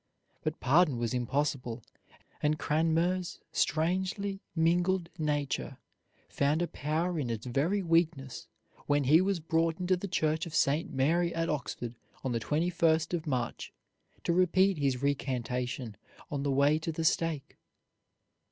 But pardon was impossible; and Cranmer's strangely mingled nature found a power in its very weakness when he was brought into the church of St. Mary at Oxford on the 21st of March, to repeat his recantation on the way to the stake.